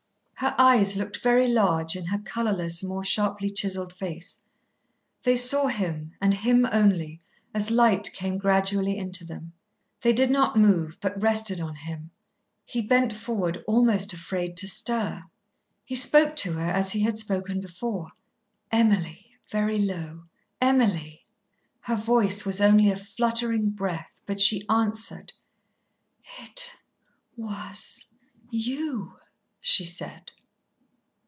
Her eyes looked very large in her colourless, more sharply chiselled face. They saw him and him only, as light came gradually into them. They did not move, but rested on him. He bent forward, almost afraid to stir. He spoke to her as he had spoken before. "Emily!" very low, "Emily!" Her voice was only a fluttering breath, but she answered. "It was you!" she said.